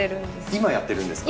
今やってるんですか？